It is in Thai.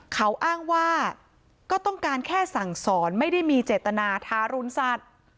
เขาอ้างว่าก็ต้องการแค่สั่งสอนไม่ได้มีเจตนาทารุณสัตว์